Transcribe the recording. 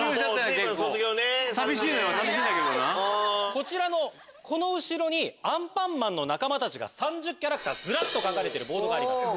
こちらの後ろに『アンパンマン』の仲間たちが３０キャラクターずらっと書かれてるボードがあります。